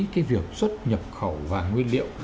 cái việc xuất nhập khẩu vàng nguyên liệu